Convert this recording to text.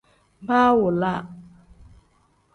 Baawolaa.